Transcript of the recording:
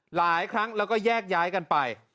หลายครั้งแล้วก็แยกย้ายกันไป